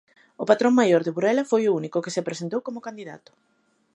O patrón maior de Burela foi o único que se presentou como candidato.